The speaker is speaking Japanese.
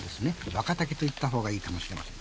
若竹といったほうがいいかもしれません。